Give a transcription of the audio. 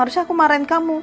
harusnya aku marahin kamu